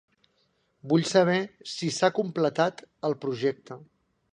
Vull saber si s'ha completat el projecte.